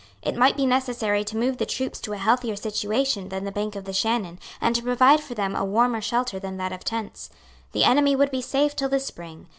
It might be necessary to move the troops to a healthier situation than the bank of the Shannon, and to provide for them a warmer shelter than that of tents. The enemy would be safe till the spring.